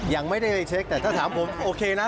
ยังไม่ได้เช็คแต่ถ้าถามผมโอเคนะ